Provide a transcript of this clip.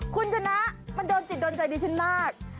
คุณชนะมันโดนจิตโดนใจดิฉันมาก